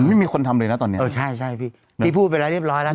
ไม่มีคนทำเลยน่ะตอนนี้งับใช่ที่พูดไปแล้วเรียบร้อยแล้ว